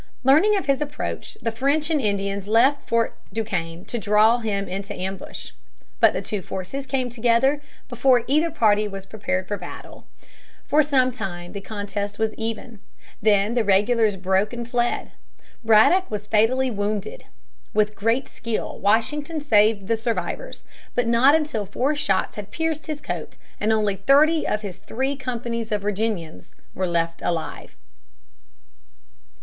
Learning of his approach, the French and Indians left Fort Duquesne to draw him into ambush. But the two forces came together before either party was prepared for battle. For some time the contest was even, then the regulars broke and fled. Braddock was fatally wounded. With great skill, Washington saved the survivors, but not until four shots had pierced his coat and only thirty of his three companies of Virginians were left alive.